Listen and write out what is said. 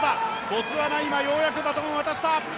ボツワナ、今、ようやくバトンを渡した。